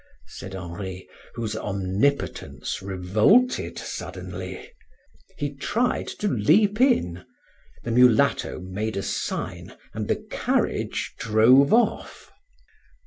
said Henri, whose omnipotence revolted suddenly. He tried to leap in. The mulatto made a sign, and the carriage drove off.